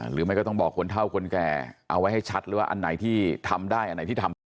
หรือไม่ก็ต้องบอกคนเท่าคนแก่เอาไว้ให้ชัดเลยว่าอันไหนที่ทำได้อันไหนที่ทำไป